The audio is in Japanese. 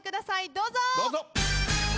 どうぞ。